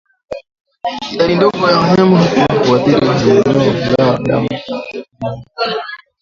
Idadi ndogo ya wanyama hufa kwa kuathiriwa na minyoo ingawa ndama wanaoathiriwa na minyoo